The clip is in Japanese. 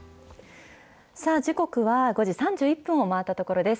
さあ、時刻は５時３１分を回ったところです。